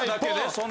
そんな。